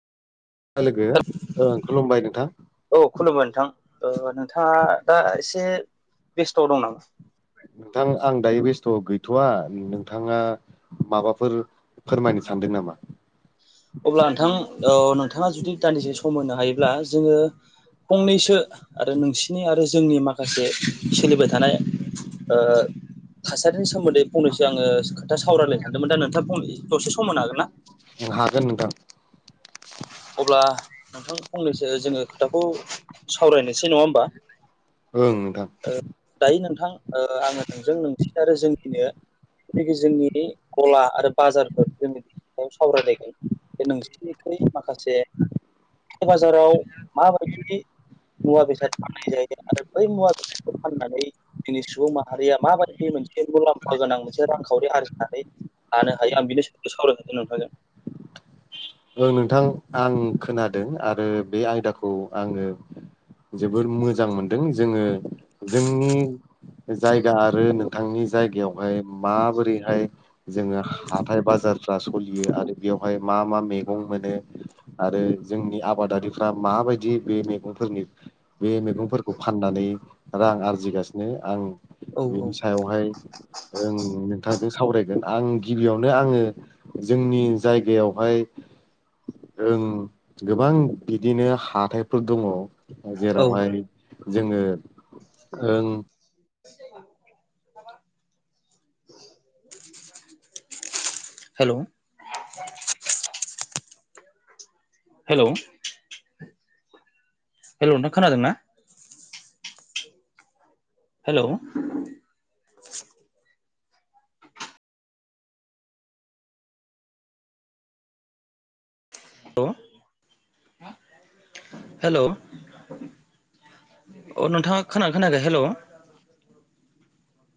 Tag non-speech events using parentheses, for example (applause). लोगो ओं खुलुमबाय नोंथां। औ खुलुमबाय नोंथां। नोंथाङा दा एसे बेस्थआव दं नामा? नोंथां आं दायो बेस्थ गैथवा नोंथांङा माबाफोर फोरमायनो सानदों नामा? अब्ला नोंथां औ नोंथांङा जुदि दान्दिसे सम हायोब्ला जोंङो फंनैसो आरो नोंसिनि आरो जोंनि माखासे सोलिबाय थानाय ओ थासारिनि सोमोन्दै फंनैसो आंङो खोथा सावरायलाय सानदोंमोन दा नोंथां फंनै दसे सम हागोन ना? हागोन नोंथां। अब्ला नोंथां फंनैसो जोंङो खोथाखौ सावरायनोसै नंङा होमबा ओं नोंथां। ओ दायो नोंथां ओ आंङो नोंजों नोंसि आरो जोंनिनो जिखि जोंनि गला आरो बाजारफोर जोंनि बि सायाव सावरायलायगोन बे नोंसिनिख्रुइ माखासे बाजाराव माबायदि मुवा बेसाद फनाय जायो आरो बै मुवा बेसादखौ फाननानै जोंनि सुबुं माहारिया माबायदि मोनसे मुलाम्फा गोनां मोनसे रांखावरि आरजिनानै लानो हायो आं बेदिस सावरायखादों नोंथांजों ओ नोंथां आं खोनादों आरो बे आयदाखौ आंङो जोबोर मोजां मोनदों जोङो जोंनि जायगा आरो नोंथांनि जायगायावहाय माबोरैहाय जोङो हाथाय बाजारफ्रा सलियो आरो बेवहाय मा मा मेग मैगं मोनो आरो जोंनि आबादारिफ्रा माबायदि बे मैगंफोरनि बे मैगंफोरखौ फाननानै रां आरजिगासिनो आं बिनि औ सायावहाय ओं नोंथांजों सावरायगोन आं गिबियावनो आङो जोंनि जायगायावहाय ओं गोबां बिदिनो हाथायफोर दङ औ जेरावहाय जोंङो ओं (unintelligible) हेल' (inaudible) हेल' हेल' नोंथां खोनादों ना? हेल' अ हेल' अ नोंथाङा खोना खोनायाखै हेल'